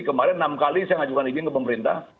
kemarin enam kali saya ngajukan izin ke pemerintah